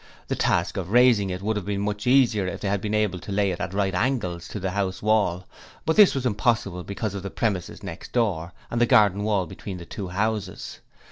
The task of raising it would have been much easier if they had been able to lay it at right angles to the house wall, but this was impossible because of the premises next door and the garden wall between the two houses.